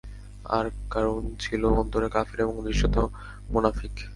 আর কারূন ছিল অন্তরে কাফির এবং দৃশ্যত মুনাফিক।